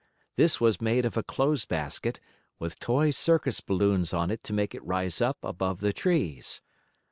This was made of a clothes basket, with toy circus balloons on it to make it rise up above the trees.